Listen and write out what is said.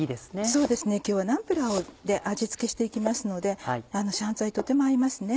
そうですね今日はナンプラーで味付けして行きますので香菜とても合いますね。